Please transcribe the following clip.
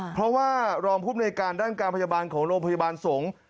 เพราะว่ารองภูมิในการด้านการพยาบาลของโรงพยาบาลสงฆ์